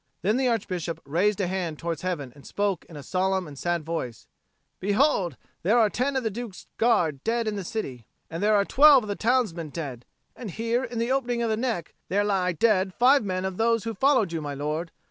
Then the Archbishop raised a hand towards heaven and spoke in a solemn and sad voice, "Behold, there are ten of the Duke's Guard dead in the city, and there are twelve of the townsmen dead; and here, in the opening of the neck, there lie dead five men of those who followed you, my lord.